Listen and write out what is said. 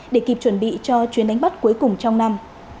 đều chuẩn bị cho chuyến đánh bắt cuối cùng trong năm